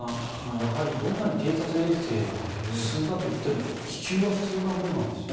やはり、どんなに偵察衛星が進んだといっても気球は必要なものなんですね。